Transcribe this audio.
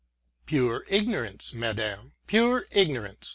" Pure ignorance, madam, pure ignorance